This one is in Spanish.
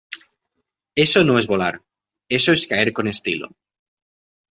Eso no es volar. Eso es caer con estilo .